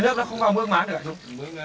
nước nó không vào mương mái được hả chú